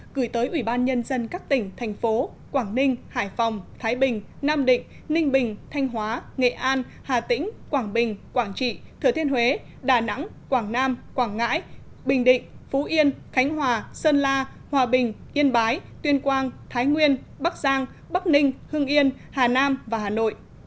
gửi tới ủy ban nhân dân các tỉnh thành phố quảng ninh hải phòng thái bình nam định ninh bình thanh hóa nghệ an hà tĩnh quảng bình quảng trị thừa thiên huế đà nẵng quảng nam quảng ngãi bình định phú yên khánh hòa sơn la hòa bình yên bái tuyên quang thái nguyên bắc giang bắc ninh hưng yên hà nam và hà nội